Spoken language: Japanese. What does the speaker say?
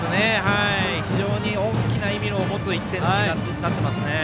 非常に大きな意味を持つ１点になっていますね。